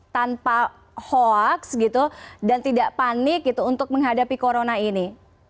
tanpa hoax gitu dan tidak panik gitu untuk menghadapi corona ini